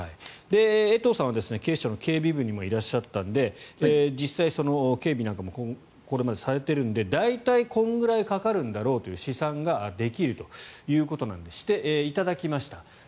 江藤さんは警視庁の警備部にもいらっしゃったので実際、警備なんかもこれまでされているので大体これくらいかかるんだろうという試算ができるということなのでしていただきました。